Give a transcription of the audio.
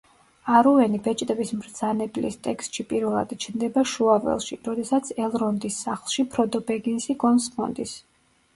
არუენი „ბეჭდების მბრძანებლის“ ტექსტში პირველად ჩნდება შუაველში, როდესაც ელრონდის სახლში ფროდო ბეგინსი გონს მოდის.